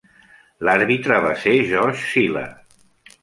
L'àrbitre va ser George Siler.